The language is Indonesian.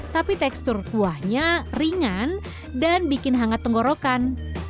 tapi tekstur kuahnya ringan dan bikin hangat tenggorokan